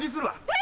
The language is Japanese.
え？